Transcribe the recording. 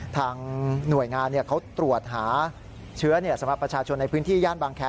ทางหน่วยงานเขาตรวจหาเชื้อสำหรับประชาชนในพื้นที่ย่านบางแคร์